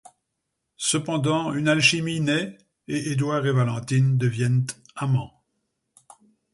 Cependant une alchimie naît et Édouard et Valentine deviennent amants.